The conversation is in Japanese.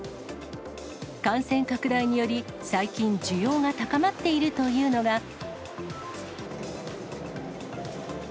感染拡大により、最近、需要が高まっているというのが。